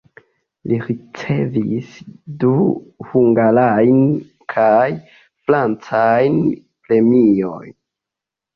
Li ricevis du hungarajn kaj francan premiojn.